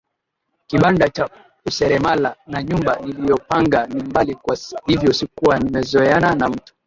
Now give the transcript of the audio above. kibanda cha useremala na nyumba niliyopanga ni mbali Kwa hiyo sikuwa nimezoeana na mtu